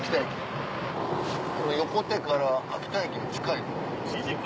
横手から秋田駅に近いの？